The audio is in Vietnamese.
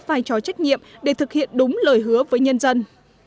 vai trò trách nhiệm để thực hiện đúng lời hứa với nhân dân